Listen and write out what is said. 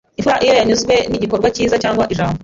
Imfura iyo yanyuzwe n’igikorwa cyiza cyangwa ijambo